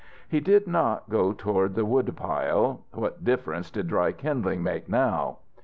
He did not go toward the woodpile what difference did dry kindling make now?